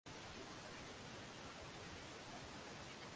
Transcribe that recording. anna ajiki kutoka kenya tumekupata